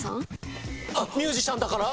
ミュージシャンだから？